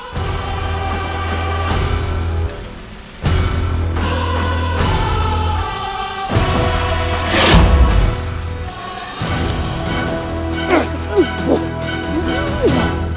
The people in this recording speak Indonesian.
kau akan hilang adikku